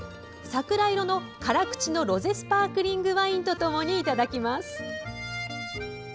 桜色の辛口のロゼスパークリングワインとともにいただきます。